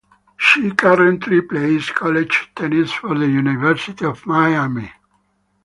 She currently plays college tennis for the University of Miami.